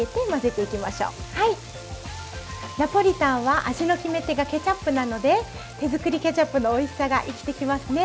ナポリタンは味の決め手がケチャップなので手作りケチャップのおいしさが生きてきますね。